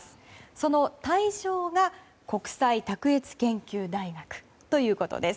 その対象が国際卓越研究大学ということです。